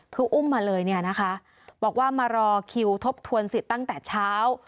คืออุ้มมาเลยเนี่ยนะคะบอกว่ามารอคิวทบทวนสิทธิ์ตั้งแต่เช้า